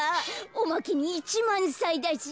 おまけに１まんさいだし。